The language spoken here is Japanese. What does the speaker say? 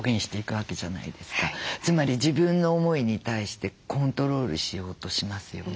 つまり自分の思いに対してコントロールしようとしますよね。